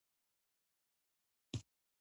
ایا زه باید ماشوم ته میوه ورکړم؟